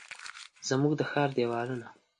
زموږ د ښار دیوالونه،